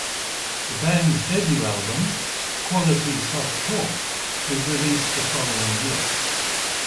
The band's debut album, "Quality Soft Core", was released the following year.